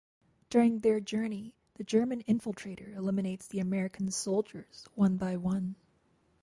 During their journey the German infiltrator eliminates the American soldiers one by one.